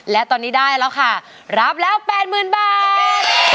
และตอนนี้ได้แล้วค่ะรับแล้ว๘๐๐๐บาท